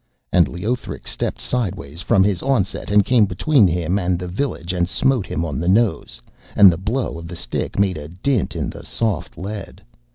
And Leothric stepped sideways from his onset, and came between him and the village and smote him on the nose, and the blow of the stick made a dint in the soft lead.